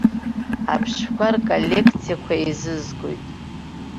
Аԥштәқәа рколлекциақәа еизызгоит.